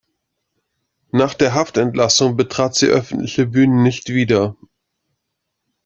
Nach der Haftentlassung betrat sie öffentliche Bühnen nicht wieder.